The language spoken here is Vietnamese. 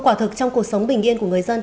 quả thực trong cuộc sống bình yên của người dân